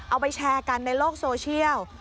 เอาไปแชร์กันในโลกโซเชียล